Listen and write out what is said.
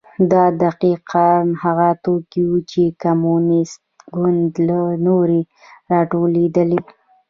دا دقیقا هغه توکي وو چې د کمونېست ګوند له لوري راټولېدل.